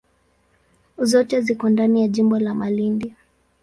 Zote ziko ndani ya jimbo la Malindi.